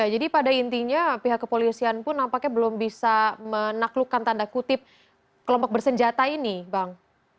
jadi pada intinya pihak kepolisian pun nampaknya belum bisa menaklukkan tanda kutip kelompok bersenjata ini bang